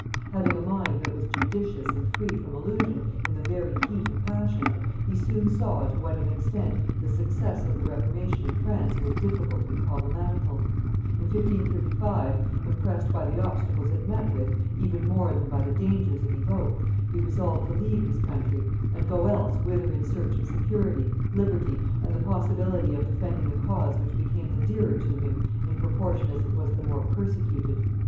Having a mind that was judicious and free from illusion in the very heat of passion, he soon saw to what an extent the success of the Reformation in France was difficult and problematical; in 1535, impressed by the obstacles it met with even more than by the dangers it evoked, he resolved to leave his country and go else whither in search of security, liberty, and the possibility of defending a cause which became the dearer to him in proportion as it was the more persecuted.